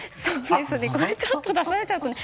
これ、ちょっと出されちゃうと。